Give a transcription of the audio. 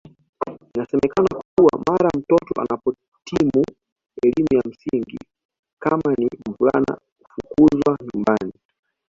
Inasemekana kuwa mara mtoto anapoitimu elimu ya msingi kama ni mvulana ufukuzwa nyumbani